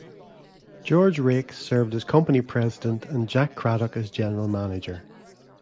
George Raikes served as company president, and Jack Craddock as general manager.